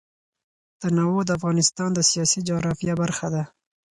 تنوع د افغانستان د سیاسي جغرافیه برخه ده.